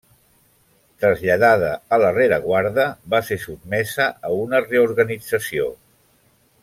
Traslladada a la rereguarda, va ser sotmesa a una reorganització.